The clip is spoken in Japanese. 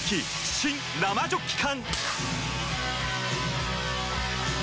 新・生ジョッキ缶！